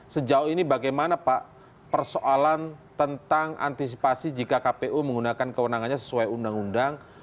sejauh ini bagaimana pak persoalan tentang antisipasi jika kpu menggunakan kewenangannya sesuai undang undang